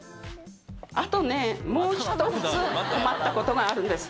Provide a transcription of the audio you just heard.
あとねもう一つ困ったことがあるんですよ。